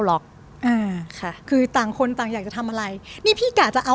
หรอกอ่าค่ะคือต่างคนต่างอยากจะทำอะไรนี่พี่กะจะเอา